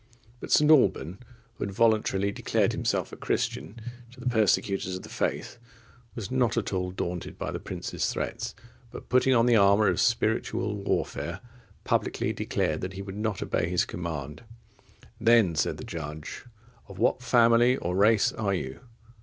But St. Alban, who had voluntarily declared himself a Christian to the persecutors of the faith, was not at all daunted by the prince's threats, but putting on the armour of spiritual warfare, publicly declared that he would not obey his command. Then said the judge, "Of what family or race are you?"